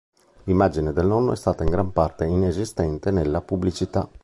L'immagine del nonno è stata in gran parte inesistente nella pubblicità.